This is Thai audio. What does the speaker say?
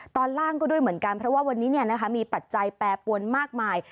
ตอนล่างก็ด้วยเหมือนกันเพราะว่าวันนี้มีปัจจัยแปรปวนมากมาย